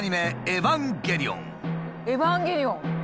「エヴァンゲリオン」！